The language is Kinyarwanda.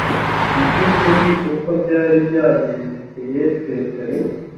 mu byu ukuri uko byari byagendekeye petero